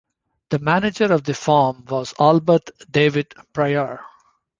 The manager of the farm was Albert David Prior.